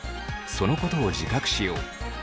そのことを自覚しよう。